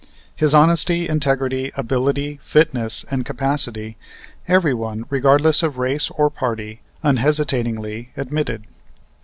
His honesty, integrity, ability, fitness, and capacity, everyone, regardless of race or party, unhesitatingly admitted.